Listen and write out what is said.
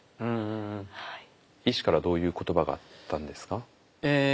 医師からどういう言葉があったんですか？